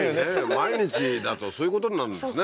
毎日だとそういうことになるんですね